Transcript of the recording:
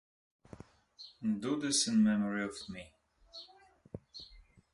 Do this in memory of me.